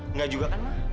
enggak juga kan ma